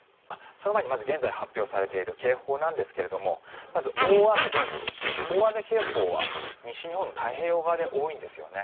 その前に、まず現在発表されている警報ですがまず大雨警報は西日本の太平洋側で多いんですね。